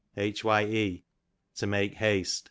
Hye, to make haste.